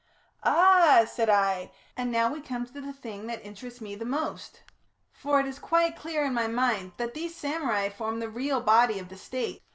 "Ah!" said I, "and now we come to the thing that interests me most. For it is quite clear, in my mind, that these samurai form the real body of the State.